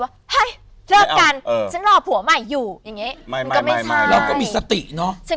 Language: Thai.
ว่าเรากันฉันรอผัวใหม่อยู่อย่างนี้ไม่ไม่ก็สติเนาะช่าง